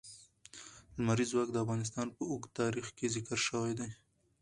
لمریز ځواک د افغانستان په اوږده تاریخ کې ذکر شوی دی.